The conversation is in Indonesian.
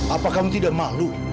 apa kamu tidak malu